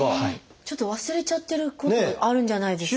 ちょっと忘れちゃってることもあるんじゃないですか？